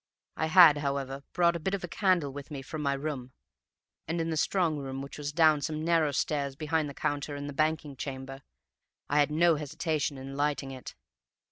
I had, however, brought a bit of candle with me from my room; and in the strong room, which was down some narrow stairs behind the counter in the banking chamber, I had no hesitation in lighting it.